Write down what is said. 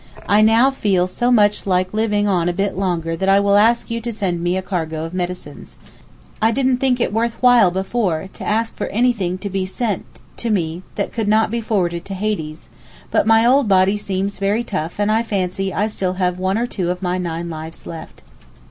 I now feel so much like living on a bit longer that I will ask you to send me a cargo of medicines. I didn't think it worth while before to ask for anything to be sent to me that could not be forwarded to Hades, but my old body seems very tough and I fancy I have still one or two of my nine lives left.